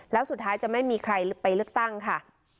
แล้วสุดท้ายจะไม่มีใครไปเลือกตั้งค่ะ